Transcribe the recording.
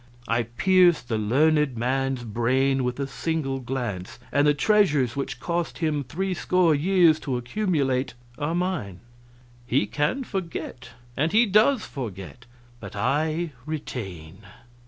I pierce the learned man's brain with a single glance, and the treasures which cost him threescore years to accumulate are mine; he can forget, and he does forget, but I retain.